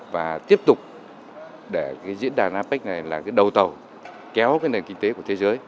và tiếp tục để diễn đàn apec này là đầu tàu kéo nền kinh tế của thế giới